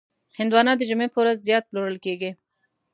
هندوانه د جمعې په ورځ زیات پلورل کېږي.